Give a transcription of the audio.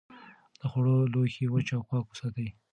د خوړو لوښي وچ او پاک وساتئ.